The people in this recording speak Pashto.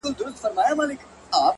خپل ژوند له مانا ډک کړئ